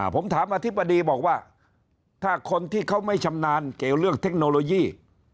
ผมถามอธิบดีบอกว่าถ้าคนที่เขาไม่ชำนาญเกี่ยวเรื่องเทคโนโลยี